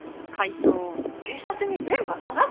「警察に全部話す？」